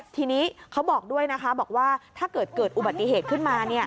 ทีนี้เขาบอกด้วยถ้าเกิดอุบัติเหตุขึ้นมา